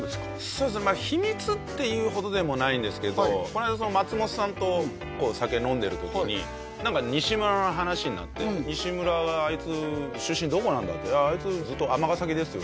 そうですねまあ秘密っていうほどでもないんですけどこの間松本さんとこう酒飲んでる時に何か西村の話になって「西村はあいつ出身どこなんだ？」って「あああいつずっと尼崎ですよ」